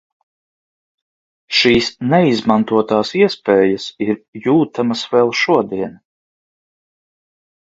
Šīs neizmantotās iespējas ir jūtamas vēl šodien.